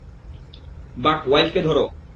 বাক ওয়াইল্ডকে ধরো!